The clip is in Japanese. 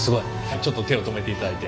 ちょっと手を止めていただいて。